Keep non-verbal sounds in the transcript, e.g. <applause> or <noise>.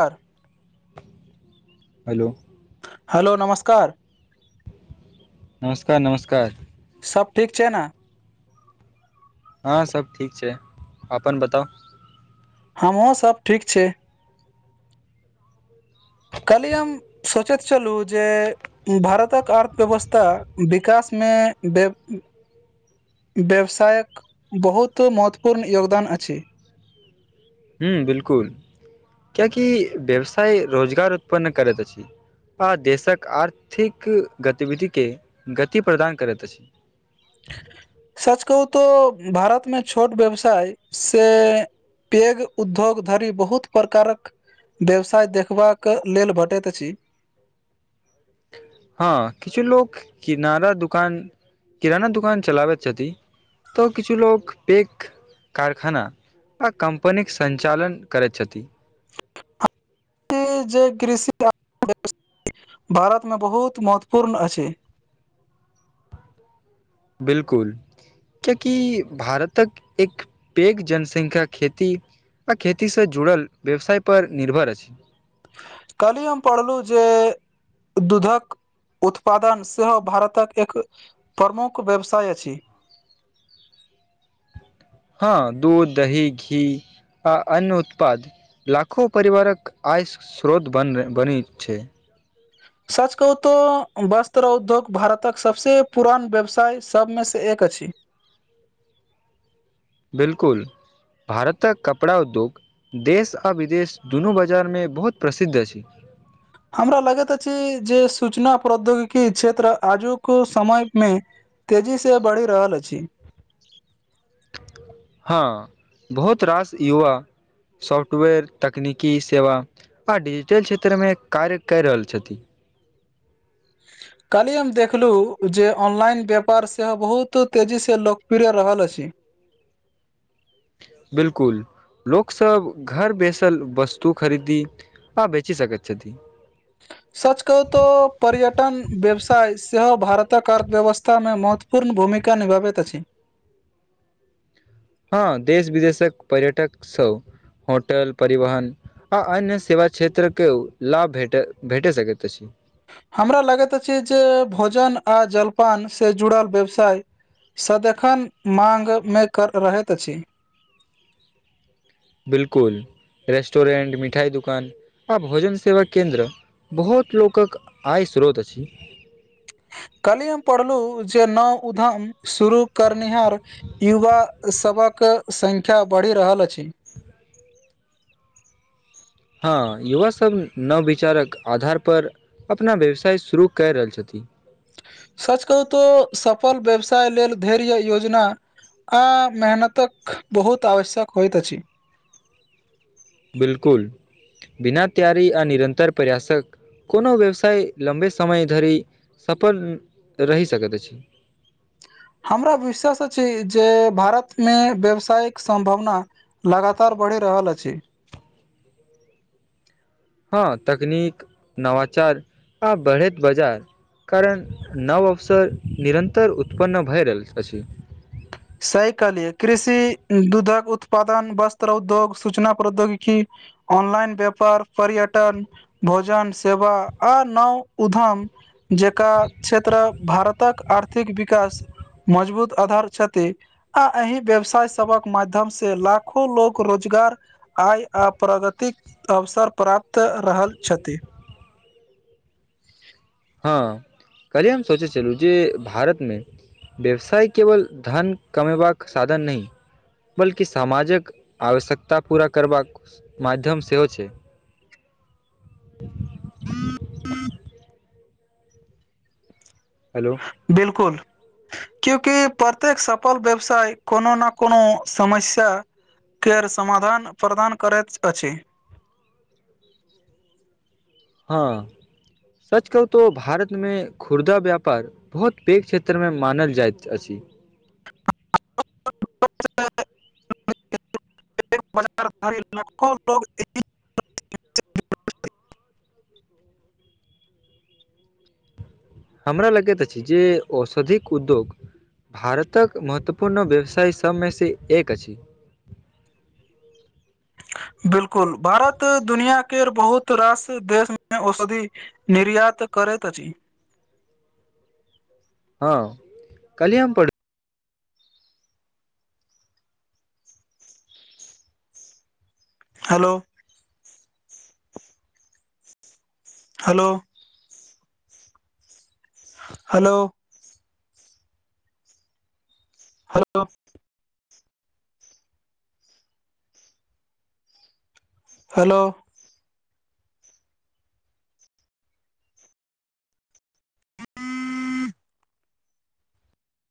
आओर hello hello नमस्कार नमस्कार नमस्कार सब ठीक छै ने हँ सब ठीक छै अपन बताउ हमहुँ सब ठीक छै कली‌हम सोचैत छलहुँ जे भारतक अर्थव्यवस्था विकासमे व्यवसायके बहुत महत्वपूर्ण योगदान अछि ह्म बिलकुल कियकि व्यवसाय रोजगार उत्पन्न करैत अछि आ देशक आर्थिक गतिविधिके गति प्रदान करैत अछि सच कहू तो भारतमे छोट व्यवसाय से पेग उद्योग धरी बहुत प्रकारक व्यवसाय देखबाक लेल भेटैत अछि हँ किछु लोक किनारा दुकान किराना दुकान चलाबैत छथि तऽ किछु लोकग पैक कारखाना आ कम्पनीके सञ्चालन करै छथिन जे कृषि आ व भारतमे बहुत महत्वपूर्ण अछि बिलकुल किएकि भारतक एक पेघ जनसंख्या खेती आ खेतीसँ जुड़ल व्यवसाय पर निर्भर अछि कल्हि हम पढ़लहुँ जे दूधक उत्पादन सेहो भारतक एक प्रमुख व्यवसाय अछि हँ दूध दही घी आ अन्न उत्पाद लाखो परिवारक आय स्रोत बन बनै छै सच कहू तो वस्त्र उद्योग भारतक सबसे पुरान व्यवसाय सबमे से एक अछि बिलकुल भारतक कपड़ा उद्योग देश आ विदेश दुनू बजारमे बहुत प्रसिद्ध अछि हमरा लगैत अछि जे सूचना प्रौद्योगिकी क्षेत्र आजुक समय मे तेजी से बढ़ि रहल अछि हँ बहुत रास युवा सॉफ्टवेयर तकनीकी सेवा आ डिजिटल क्षेत्रमे कार्य कै रहल छथिन ह <inaudible> काल्हि हम देखलहुँ जे ऑनलाइन व्यापार सेहो बहुत तेजीसे लोकप्रिय रहल अछि बिलकुल लोकसब घर बैसल वस्तु खरीदी हँ बेची सकैत छथि सच कहू तो पर्यटन व्यवसाय सेहो भारतक अर्थव्यवस्था में महत्व पूर्ण भूमिका निभबैत अछि हँ देश विदेशक पर्यटक सब होटल परिवहन आ अन्य सेवा क्षेत्र के लाभ भेट भेटे सकैत अछि हमरा लगैत अछि जे भोजन आ जलपान से जुड़ल व्यवसाय सदेखन माँग मेकर रहैत अछि बिलकुल रेस्टोरेंट मिठाई दुकान आ भोजन सेवा केन्द्र बहुत लोकक आय स्रोत अछि कल्हि हम पढ़लूं जे नव उधम शुरू करनिहार युवा सबक संख्या बढ़ि रहल अछि हँ युवा सब नवविचारक आधारपर अपना व्यवसाय शुरू कए रहल छथिन सच कहू तो सफल व्यवसाय लेल धैर्य योजना आ मेहनतक बहुत आवश्यक होइत अछि बिलकुल बिना तैयारी आ निरन्तर प्रयासक कोनो व्यवसाय लम्बे समय धरि सफल रहि सकैत अछि हमरा विश्वास छै जे भारतमे व्यवसायिक सम्भावना लगातार बढ़ि रहल अछि हँ तकनीक नवाचार आ बढ़ैत बाजार कारण नव अवसर निरन्तर उत्पन्न भए रहल अछि सही कहलिय कृषि दुधक उत्पादन वस्त्र उद्योग सूचना प्रौद्योगिकी ऑनलाइन व्यापार पर्यटन भोजन सेवा आ नओ उधम जेका क्षेत्र भारतक आर्थिक विकास मजबूत आधार क्षेत्र आ अही व्यवसाय सभक माध्यम से लाखो लोग रोजगार आइ आ प्रगतिक अवसर प्राप्त रहल छथि हँ कल्हि हम सोचै छलहुँ जे भारतमे व्यवसाय केवल धन कमेबाक साधन नै बल्कि समाजक आवश्यकता पूरा करबाक माध्यम सेहो छै हेलो बिल्कुल क्यूंकि प्रत्येक सफल व्यवसाय कोनो न कोनो समस्या केयर समाधान प्रदान करैत अछि ह <unintelligible> हँ सच कहू तो भारतमे खुर्दा व्यापार बहुत पेघ क्षेत्रमे मानल जाइत अछि <unintelligible> ह <unintelligible> <inaudible> <inaudible> हमरा लगैत अछि जे औषधिक उद्योग भारतक महत्वपूर्ण व्यवसाय सभमेसँ एक अछि बिल्कुल भारत दुनिया के बहुत रास देशमे औषधि निर्यात करैत अछि हँ कल्हि हम पढ़ हेलो हलो हलौ हलौ हलो